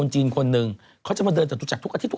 จีนคนหนึ่งเขาจะมาเดินจตุจักรทุกอาทิตย